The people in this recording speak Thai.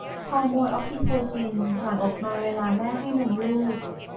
ฮอร์โมนออกซิโทซินหลั่งออกมาเวลาแม่ให้นมลูก